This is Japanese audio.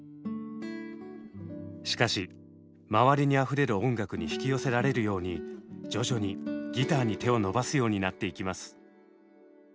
しかし周りにあふれる音楽に引き寄せられるように徐々にギターに手を伸ばすようになっていきます。